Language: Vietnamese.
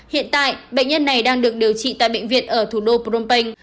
hiện tại bệnh nhân này đang được điều trị tại bệnh viện ở thủ đô phnom penh